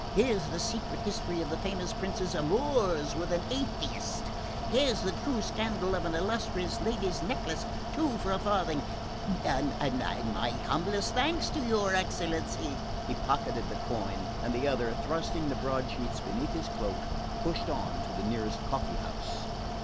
Here's the secret history of a famous Prince's amours with an atheist here's the true scandal of an illustrious lady's necklace two for a farthing...and my humblest thanks to your excellency." He pocketed the coin, and the other, thrusting the broadsheets beneath his cloak, pushed on to the nearest coffee house.